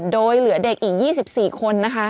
โดยเหลือเด็กอีก๒๔คนนะคะ